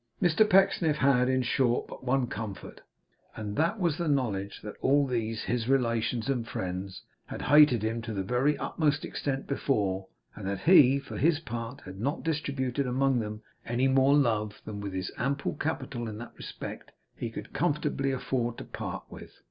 Mr Pecksniff had, in short, but one comfort, and that was the knowledge that all these his relations and friends had hated him to the very utmost extent before; and that he, for his part, had not distributed among them any more love than, with his ample capital in that respect, he could comfortably afford to part with.